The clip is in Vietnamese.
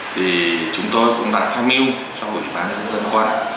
thì chúng tôi cũng đã tham yêu cho bộ kỳ bán dân dân quan